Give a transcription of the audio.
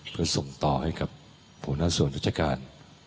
เพื่อส่งต่อให้กับหัวหน้าส่วนราชการ